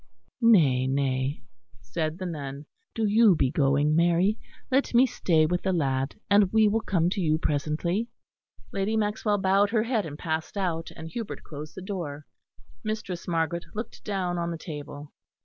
"Nay, nay," said the nun. "Do you be going, Mary. Let me stay with the lad, and we will come to you presently." Lady Maxwell bowed her head and passed out, and Hubert closed the door. Mistress Margaret looked down on the table.